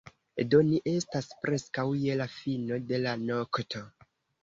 Do, ni estas preskaŭ je la fino de la nokto